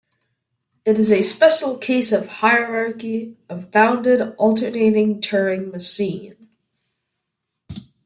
It is a special case of hierarchy of bounded alternating Turing machine.